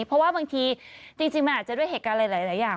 เพราะว่าบางทีจริงมันอาจจะด้วยเหตุการณ์หลายอย่าง